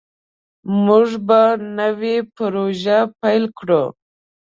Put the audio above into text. موږ به نوې پروژه پیل کړو.